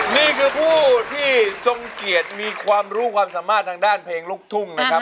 นี่คือผู้ที่ทรงเกียรติมีความรู้ความสามารถทางด้านเพลงลูกทุ่งนะครับ